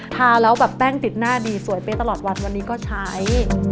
ทาแล้วแบบแป้งติดหน้าดีสวยไปตลอดวันวันนี้ก็ใช้